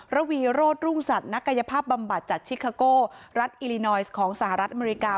ระวีโรธรุ่งสัตว์นักกายภาพบำบัดจากชิคาโก้รัฐอิลินอยซ์ของสหรัฐอเมริกา